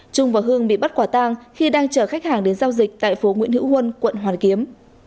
trung và hương bị bắt quả tang khi đang chở khách hàng đến giao dịch tại phố nguyễn hữu huân quận hoàn kiếm